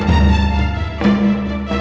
jangan lupa joko tingkir